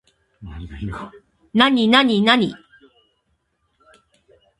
なになになに